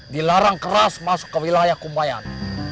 dilarang keras masuk ke wilayah kumayan